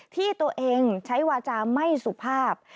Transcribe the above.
ที่ตัวเองใช้วาจาไม่สุภาพ